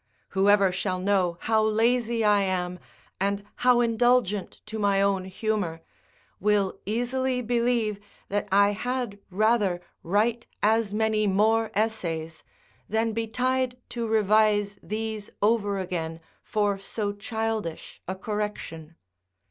Whoever shall know how lazy I am, and how indulgent to my own humour, will easily believe that I had rather write as many more essays, than be tied to revise these over again for so childish a correction.